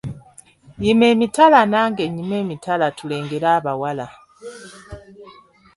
Yima emitala nange nnyime emitala tulengere abawala.